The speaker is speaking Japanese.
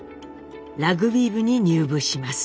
ラグビー部に入部します。